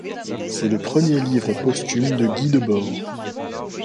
C'est le premier livre posthume de Guy Debord.